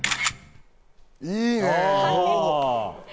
いいね。